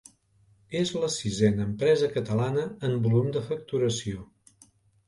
És la sisena empresa catalana en volum de facturació.